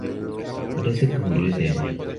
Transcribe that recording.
Parece que murió ese año.